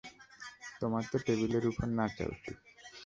তোমার তো টেবিলের ওপর নাচা উচিত!